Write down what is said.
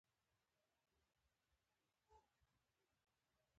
د افغانستان د اقتصادي پرمختګ لپاره پکار ده چې مېوې پروسس شي.